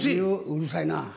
うるさいな。